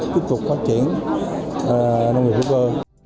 tiếp tục phát triển nông nghiệp hữu cơ